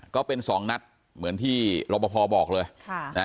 ก็เป็น๒นัดเหมือนที่รบพบอกเลยนะ